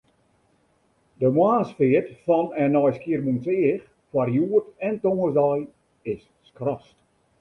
De moarnsfeart fan en nei Skiermûntseach foar hjoed en tongersdei is skrast.